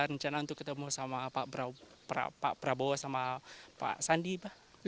rencana untuk ketemu pak prabowo sama pak sandi